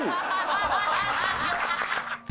ハハハハ！